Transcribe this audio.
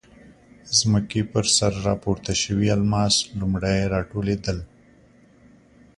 ځمکې پر سر راپورته شوي الماس لومړی راټولېدل.